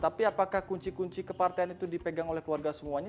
tapi apakah kunci kunci kepartean itu dipegang oleh keluarga semuanya